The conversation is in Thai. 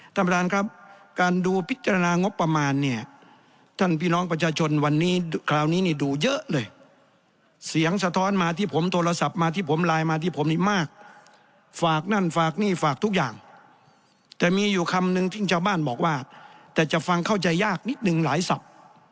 ท่านประธานครับการดูพิจารณางบประมาณเนี่ยท่านพี่น้องประชาชนวันนี้คราวนี้นี่ดูเยอะเลยเสียงสะท้อนมาที่ผมโทรศัพท์มาที่ผมไลน์มาที่ผมนี่มากฝากนั่นฝากนี่ฝากทุกอย่างแต่มีอยู่คำนึงที่ชาวบ้านบอกว่าแต่จะฟังเข้าใจยากนิดนึงหลายศัพท์